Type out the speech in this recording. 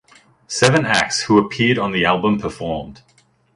Seven acts who appeared on the album performed.